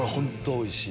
おいしい！